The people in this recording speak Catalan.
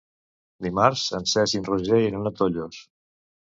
Dimarts en Cesc i en Roger iran a Tollos.